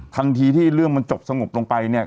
ทันทีที่เรื่องมันจบสงบลงไปเนี่ย